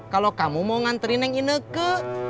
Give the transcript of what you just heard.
kalau kamu mau nganterin yang ini ke